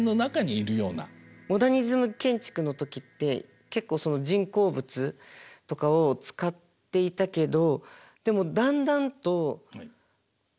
モダニズム建築の時って結構人工物とかを使っていたけどでもだんだんとまたこう。